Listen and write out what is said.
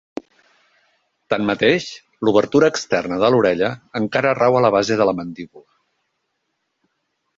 Tanmateix, l'obertura externa de l'orella encara rau a la base de la mandíbula.